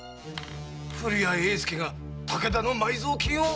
古谷栄介が武田の埋蔵金を？